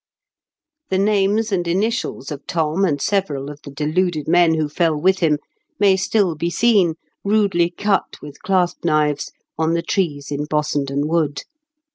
The names and initials of Thom and several of the deluded men who fell with him may still be seen, rudely cut with clasp knives, on the trees in Bossenden Wood.